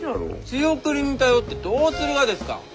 仕送りに頼ってどうするがですか！？